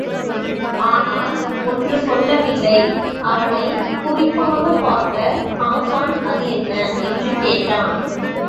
ஆனால், ஒன்று சொல்லவில்லை. அவனைக் குறிப்பாகப் பார்த்த ஹாஸான் அது என்ன? என்று கேட்டான்.